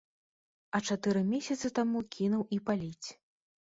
А чатыры месяцы таму кінуў і паліць.